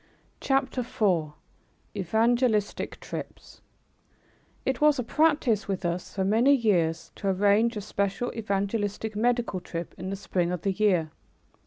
CHAPTER IV EVANGELISTIC TRIPS It was a practice with us for many years to arrange a special evangelistic medical trip in the spring of the year.